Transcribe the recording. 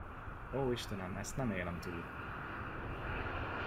Ó, istenem, ezt nem élem túl!